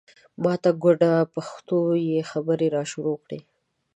په ماته ګوډه پښتو یې خبرې راسره شروع کړې.